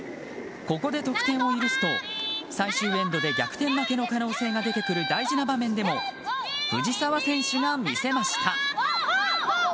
ここで得点を許すと最終エンドで逆転負けの可能性が出てくる大事な場面でも藤澤選手が見せました。